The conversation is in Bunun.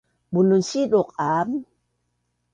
Bunun siduq aam